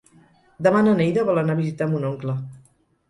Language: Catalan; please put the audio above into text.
Demà na Neida vol anar a visitar mon oncle.